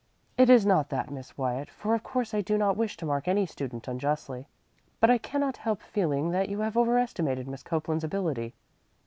"It is not that, Miss Wyatt, for of course I do not wish to mark any student unjustly; but I cannot help feeling that you have overestimated Miss Copeland's ability.